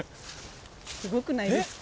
すごくないですか？